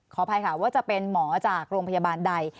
ขออภัยค่ะว่าจะเป็นหมอจากโรงพยาบาลใด